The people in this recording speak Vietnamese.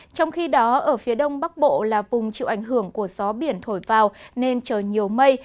trong khi đó ở phía đông bắc bộ là vùng chịu ảnh hưởng của gió biển thổi vào nên trời nhiều mây